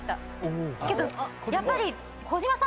けどやっぱり。